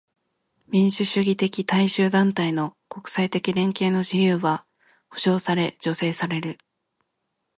民主主義的大衆団体の国際的連携の自由は保障され助成される。